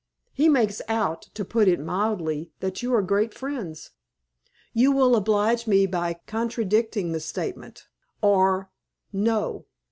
"He makes out, to put it mildly, that you are great friends." "You will oblige me by contradicting the statement. Or—no.